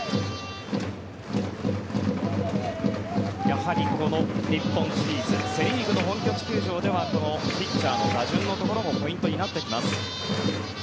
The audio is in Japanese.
やはりこの日本シリーズセ・リーグの本拠地球場ではこのピッチャーの打順のところもポイントになってきます。